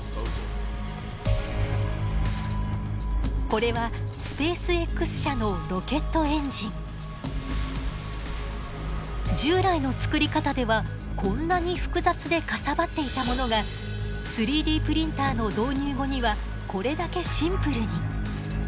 これは従来の作り方ではこんなに複雑でかさばっていたものが３Ｄプリンターの導入後にはこれだけシンプルに。